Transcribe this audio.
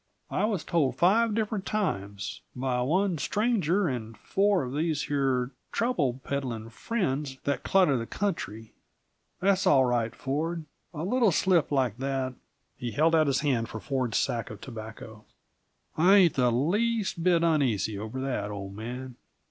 "I was told five different times, by one stranger and four of these here trouble peddlin' friends that clutter the country. That's all right, Ford. A little slip like that " He held out his hand for Ford's sack of tobacco. "I ain't the least bit uneasy over that, old man.